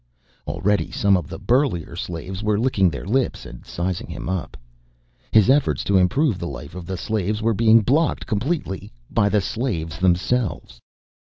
Already some of the burlier slaves were licking their lips and sizing him up. His efforts to improve the life of the slaves were being blocked completely by the slaves themselves.